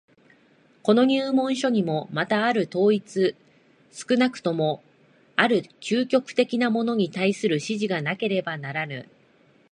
この入門書にもまたある統一、少なくともある究極的なものに対する指示がなければならぬ。